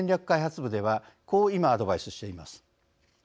開発部ではこう、今、アドバイスしています。